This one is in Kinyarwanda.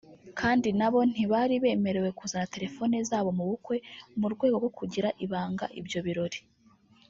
Kandi na bo ntibari bemerewe kuzana terefone zabo mu bukwe mu rwego rwo kugira ibanga ibyo birori